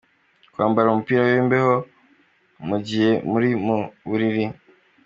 Kwambara umupira w’imbeho mu gihe muri mu buriri:.